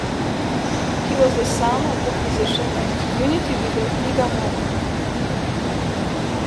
He was the son of the physician and community leader Iga Mori.